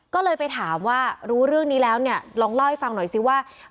ก็เลยไปถามว่ารู้เรื่องนี้แล้วเนี่ยลองเล่าให้ฟังหน่อยซิว่า